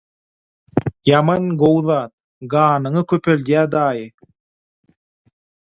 Ýaman gowy zat, ganyňy köpeldýä, daýy.